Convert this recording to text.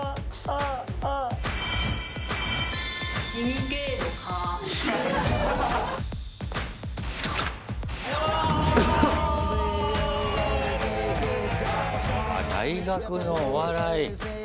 あ、大学のお笑い。